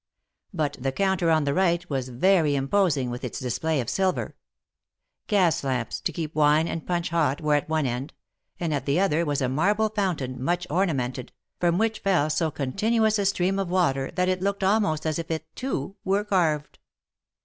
But the counter on the right was very imposing with its display of silver. Gas lamps, to keep wine and punch hot, were at one end, and at the other was a marble foun tain, much ornamented, from which fell so continuous a stream of water that it looked almost as if it, too, were carved.